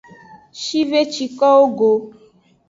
Shve ci kowo go.